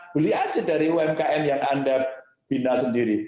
beli aja dari umkm yang anda bina sendiri